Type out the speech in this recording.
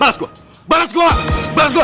baras gua baras gua baras gua